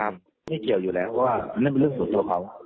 ไม่เกี่ยวอยู่แล้วว่าเป็นเรื่องส่วนตัวเขา